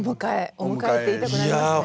「お迎え」って言いたくなりますね。